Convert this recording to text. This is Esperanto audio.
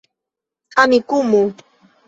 amikumu